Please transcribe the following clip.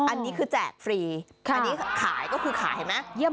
อันนี้คือแจกฟรีอันนี้ขายก็คือขายเห็นไหม